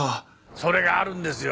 それがあるんですよ。